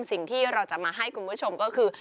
สิ่งที่เราจะมาให้คุณผู้ชมก็คือ